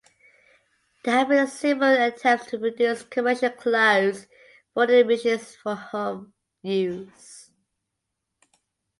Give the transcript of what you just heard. There have been several attempts to produce commercial clothes folding machines for home use.